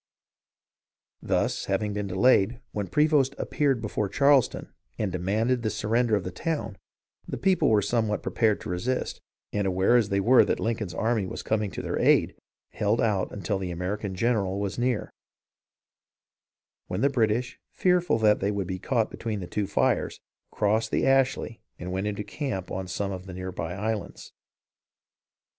Thus, having been delayed, when Prevost appeared before Charleston and demanded the surrender of the town, the people were somewhat prepared to resist, and aware as they were that Lincoln's army was coming to their aid, held out until the American general was near, when the British, fearful that they would be caught between the two fires, crossed the Ashley and went into camp on some of the near by islands.